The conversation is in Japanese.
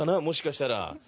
もしかしたら。